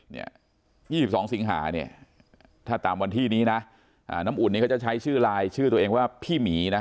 ๒๒สิงหาเนี่ยถ้าตามวันที่นี้นะน้ำอุ่นนี้เขาจะใช้ชื่อลายชื่อตัวเองว่าพี่หมีนะ